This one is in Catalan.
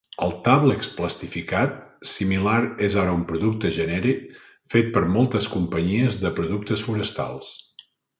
El "tàblex plastificat" similar és ara un producte genèric fet per moltes companyies de productes forestals.